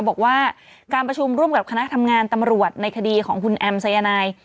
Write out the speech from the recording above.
บอกว่าการประชุมร่วมกับคณะทำงานตำรวจในคดีของคุณแอมสายนาย